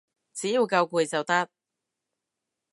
只要夠攰就得